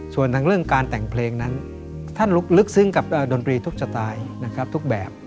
ส่วนทางเรื่องการแต่งเพลงนั้นท่านลึกซึ้งกับดนตรีทุกสไตล์นะครับทุกแบบ